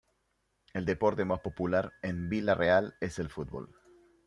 El deporte más popular en Vila Real es el fútbol.